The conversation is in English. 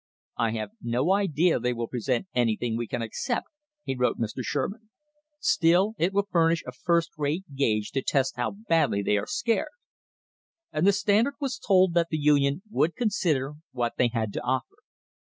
"I have no idea they will present anything we can accept," he wrote Mr. Sherman. "Still it will furnish a first rate gauge to test how badly they are scared." And the Standard was told that the Union would consider what they had to offer.